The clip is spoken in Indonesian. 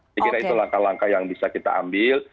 jadi itu langkah langkah yang bisa kita ambil